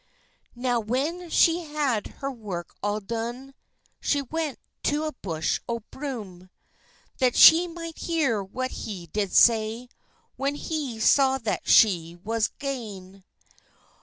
Now when she had her work all dune, She went to a bush o' broom, That she might hear what he did say, When he saw that she was gane.